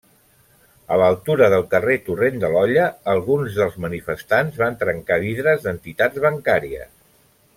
A l'altura del carrer Torrent de l'Olla, alguns dels manifestants van trencar vidres d'entitats bancàries.